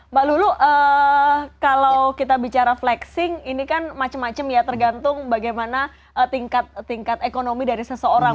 mbak lulu kalau kita bicara flexing ini kan macam macam ya tergantung bagaimana tingkat ekonomi dari seseorang